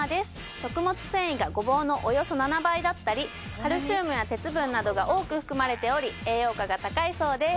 食物繊維がごぼうのおよそ７倍だったりカルシウムや鉄分などが多く含まれており栄養価が高いそうです